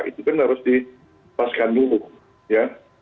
itu kan harus di lepaskan dulu ya